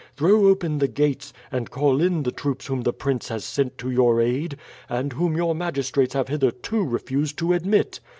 Throw open the gates, and call in the troops whom the prince has sent to your aid, and whom your magistrates have hitherto refused to admit.